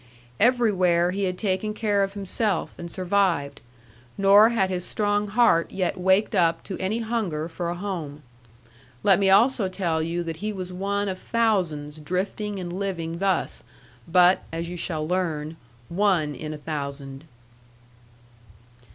Everywhere he had taken care of himself, and survived; nor had his strong heart yet waked up to any hunger for a home. Let me also tell you that he was one of thousands drifting and living thus, but (as you shall learn) one in a thousand.